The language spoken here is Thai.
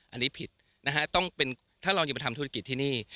อันนี้ผิดนะฮะถ้าเรายังมาทำธุรกิจที่นี่